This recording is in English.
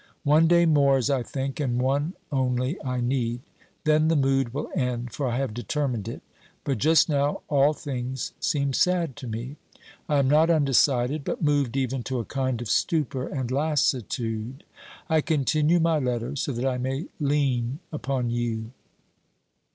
One day more, as I think, and one only I need. Then the mood will end, for I have deter mined it ; but just now all things seem sad to me. I am not undecided, but moved even to a kind of stupor and lassi tude. I continue my letter so that I may lean upon you.